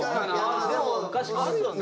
でもあるよね。